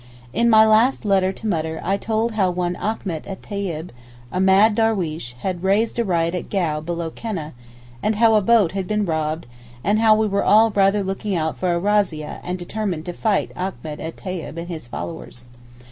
In my last letter to Mutter I told how one Achmet et Tayib, a mad darweesh had raised a riot at Gau below Keneh and how a boat had been robbed and how we were all rather looking out for a razzia and determined to fight Achmet et Tayib and his followers.